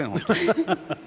ハハハハ！